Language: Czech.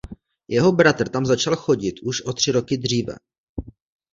Jeho bratr tam začal chodit už o tři roky dříve.